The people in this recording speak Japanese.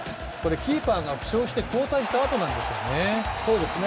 キーパーが負傷して交代したあとなんです。